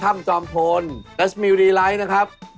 ท่ำจอมพลแก๊สมิวดีไลค์นะครับ